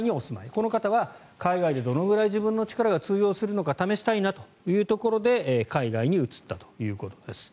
この方は海外でどのぐらい自分の力が通用するのか試したいなというところで海外に移ったということです。